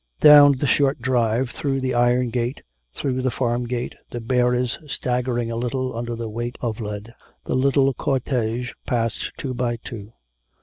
Down the short drive, through the iron gate, through the farm gate, the bearers staggering a little under the weight of lead, the little cortege passed two by two.